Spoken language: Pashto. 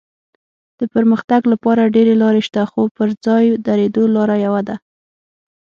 د پرمختګ لپاره ډېرې لارې شته خو د پر ځای درېدو لاره یوه ده.